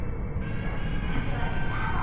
続いてはデザート。